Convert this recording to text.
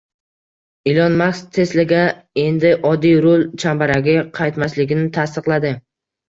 Ilon Mask Tesla’ga endi oddiy rul chambaragi qaytmasligini tasdiqladi